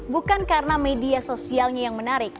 bukan karena media sosialnya yang menarik